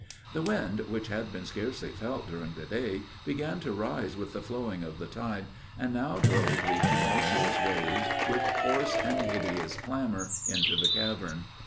The wind, which had been scarcely felt during the day, began to rise with the flowing of the tide, and now drove the tumultuous waves with hoarse and hideous clamor into the cavern.